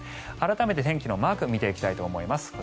改めて天気のマークを見ていきたいと思います。